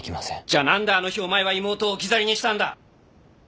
じゃあ何であの日お前は妹を置き去りにしたんだ！